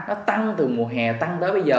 nó tăng từ mùa hè tăng tới bây giờ